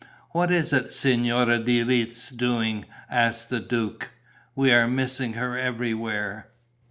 "What is the Signora de Retz doing?" asked the duke. "We are missing her everywhere."